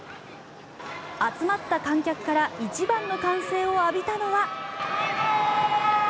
集まった観客から一番の歓声を浴びたのは。